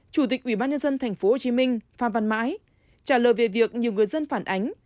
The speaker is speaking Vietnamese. chủ tịch ubnd tp hcm phan văn mãi trả lời về việc nhiều người dân phản ánh